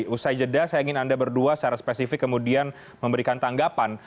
usai jeda saya ingin anda berdua secara spesifik kemudian memberikan tanggapan